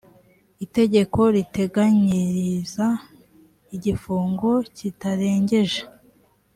itegeko riteganyiriza igifungo kitarengeje